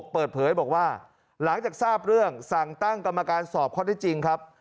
เปิดเผยบอกว่าหลังจากทราบเรื่องสั่งตั้งกรรมการสอบข้อได้จริงครับ